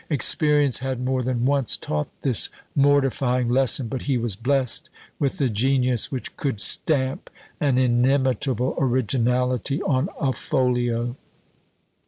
Experience had more than once taught this mortifying lesson; but he was blest with the genius which could stamp an inimitable originality on a folio.